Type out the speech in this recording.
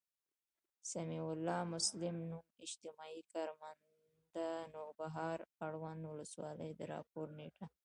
سمیع الله مسلم، نـــوم، اجتماعي کارمنددنــده، نوبهار، اړونــد ولسـوالـۍ، د راپــور نیــټه